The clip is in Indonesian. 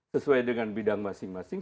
sesuai dengan bidang masing masing